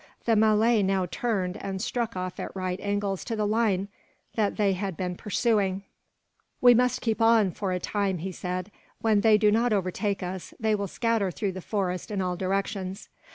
The Malay now turned, and struck off at right angles to the line that they had been pursuing. "We must keep on, for a time," he said. "When they do not overtake us, they will scatter through the forest in all directions."